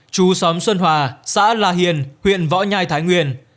chú xóm xuân hòa xã la hiền huyện võ nhai thái nguyên